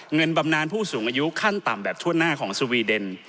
บำนานผู้สูงอายุขั้นต่ำแบบทั่วหน้าของสวีเดน